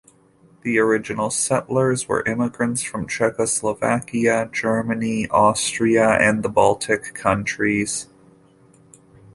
The original settlers were immigrants from Czechoslovakia, Germany, Austria, and the Baltic countries.